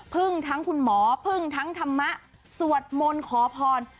พึ่งทั้งคุณหมอพึ่งทั้งธรรมะสวดมนต์ขอพร